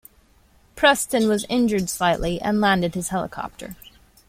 Preston was injured slightly, and landed his helicopter.